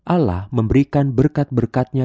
allah memberikan berkat berkatnya